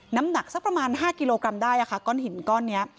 น้ำหนักสักประมาณ๕กิโลกรัมได้ค่ะก้อนหินก้อนนี้